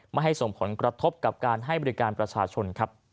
ไม่ให้ส่งผลกระทบกับการให้บริการประชาชนครับ